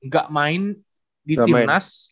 gak main di timnas